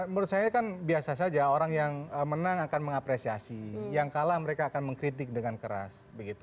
menurut saya kan biasa saja orang yang menang akan mengapresiasi yang kalah mereka akan mengkritik dengan keras